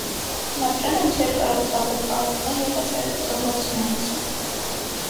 Մատրոնան չէր կարող զբաղվել քաղաքական և հասարակական գործունեությամբ։